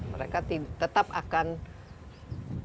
mereka tetap akan mendapat benefit mereka